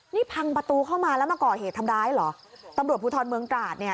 นี่พังประตูเข้ามาแล้วมาก่อเหตุทำร้ายเหรอตำรวจภูทรเมืองตราดเนี่ย